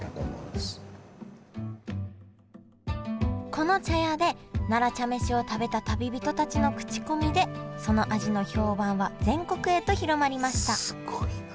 この茶屋で奈良茶飯を食べた旅人たちの口コミでその味の評判は全国へと広まりましたすごいな。